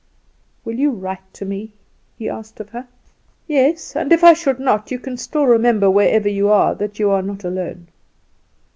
"Will you write to me?" he asked of her. "Yes; and if I should not, you can still remember, wherever you are, that you are not alone."